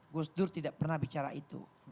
gus dur tidak pernah bicara itu